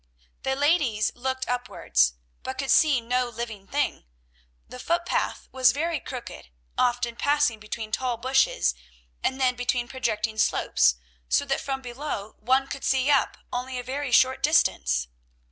The ladies looked upwards, but could see no living thing. The footpath was very crooked, often passing between tall bushes and then between projecting slopes, so that from below one could see up only a very short distance.